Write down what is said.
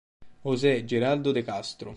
José Geraldo de Castro